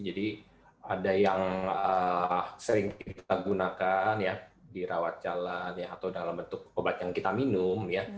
jadi ada yang sering kita gunakan ya di rawat jalan atau dalam bentuk obat yang kita minum